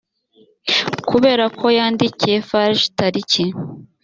kubera ko yandikiye farg tariki